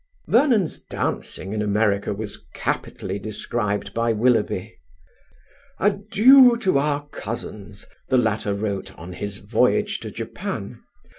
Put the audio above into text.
Vernon's dancing in America was capitally described by Willoughby. "Adieu to our cousins!" the latter wrote on his voyage to Japan.